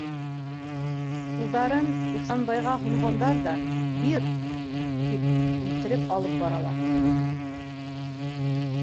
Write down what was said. Ҡулдарын Ихсанбайға һонғандар ҙа: «Бир», - тип үлтереп алып баралар.